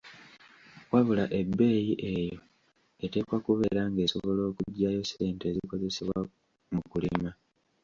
Wabula ebbeeyi eyo eteekwa kubeera ng’esobola okuggyayo ssente ezikozesebwa mu kulima.